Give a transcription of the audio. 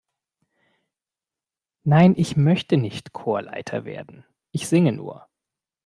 Nein, ich möchte nicht Chorleiter werden, ich singe nur.